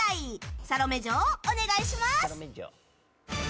サロメ嬢、お願いします！